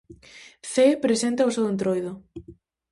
Cee presenta o seu Entroido.